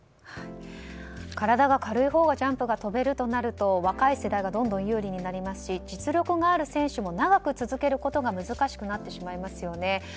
体が軽いほうがジャンプが跳べるとなると若い世代がどんどん有利になりますし実力のある選手も長く続けることが難しくなってしまいますよね。